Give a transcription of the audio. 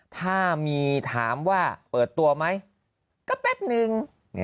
ถ้ามีถามว่าเปิดตัวไหมก็แป๊บนึง